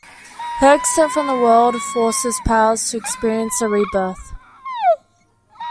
Her exit from the world forces Powers to experience a rebirth.